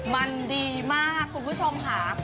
มันดีมากคุณผู้ชมค่ะ